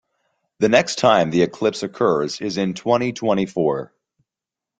The next time the eclipse occurs is in twenty-twenty-four.